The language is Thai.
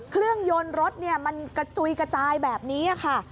เครื่องยนต์รถมันจุยกระจายแบบนี้ค่ะ